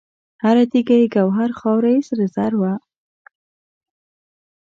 هر تیږه یې ګوهر، خاوره سره زر وه